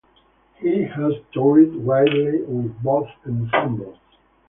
He has toured widely with both ensembles.